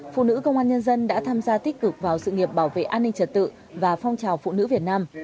phụ nữ công an nhân dân đã tham gia tích cực vào sự nghiệp bảo vệ an ninh trật tự và phong trào phụ nữ việt nam